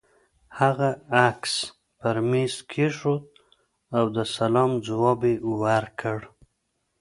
هغه عکس پر مېز کېښود او د سلام ځواب يې ورکړ.